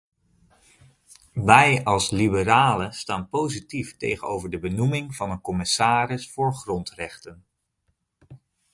Wij als liberalen staan positief tegenover de benoeming van een commissaris voor grondrechten.